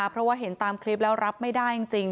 เพราะว่าเห็นตามคลิปแล้วรับไม่ได้จริง